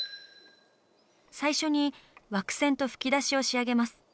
最初に枠線と吹き出しを仕上げます。